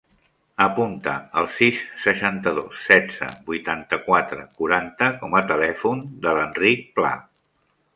Apunta el sis, seixanta-dos, setze, vuitanta-quatre, quaranta com a telèfon de l'Enric Pla.